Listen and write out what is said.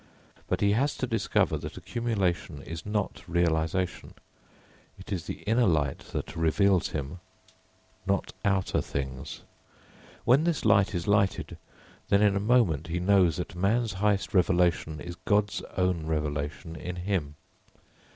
But he has to discover that accumulation is not realisation. It is the inner light that reveals him, not outer things. When this light is lighted, then in a moment he knows that Man's highest revelation is God's own revelation in him.